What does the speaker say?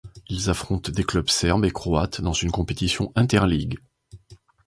Ils affrontent des clubs serbes et croates dans une compétition interligues.